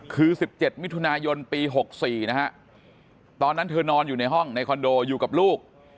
คือ๑๗มิถุนายนปี๖๔นะฮะตอนนั้นเธอนอนอยู่ในห้องในคอนโดอยู่กับลูก